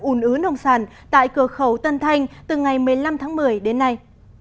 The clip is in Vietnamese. ủn ứ nông sản tại cửa khẩu tân thanh từ ngày một mươi năm tháng một mươi đến nay